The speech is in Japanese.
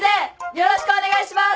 よろしくお願いします。